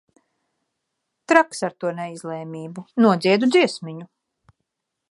Traks ar to neizlēmību. Nodziedu dziesmiņu.